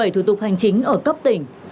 một mươi bảy thủ tục hành chính ở cấp tỉnh